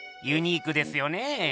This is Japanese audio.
ユニークですよねぇ！